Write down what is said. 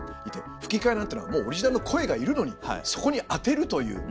吹き替えなんていうのはもうオリジナルの声がいるのにそこに当てるという。